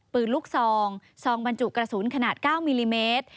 ปืนลูกซองซองบรรจุกระสุนขนาด๙มิลลิเมตร